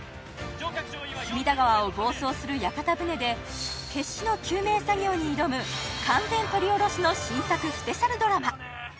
隅田川を暴走する屋形船でに挑む完全撮り下ろしの新作スペシャルドラマ